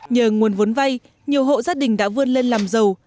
nhờ nguồn vốn vay nhiều hộ gia đình đã vươn lên làm giàu